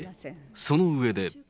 その上で。